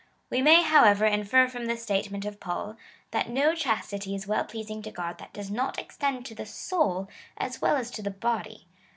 We may, however, infer from this statement of Paul, that no chastity is well pleasing to God that does not extend to the sold as well as to the body.